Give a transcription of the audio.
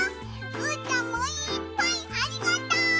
うーたんもいっぱいありがとう！